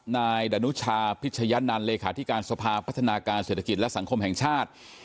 นายดานุชาพิชยะนันต์เลขาธิการสภาพัฒนาการเศรษฐกิจและสังคมแห่งชาติ